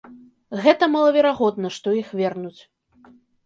Гэта малаверагодна, што іх вернуць.